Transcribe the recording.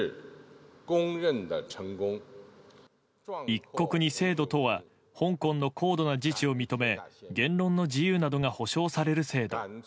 一国二制度とは香港の高度な自治を認め言論の自由などが保障される制度。